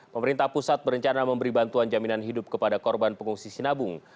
pemerintah pusat berencana memberi bantuan jaminan hidup kepada korban pengungsi sinabung